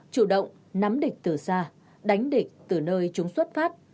chủ động nắm địch từ xa đánh địch từ nơi chúng xuất phát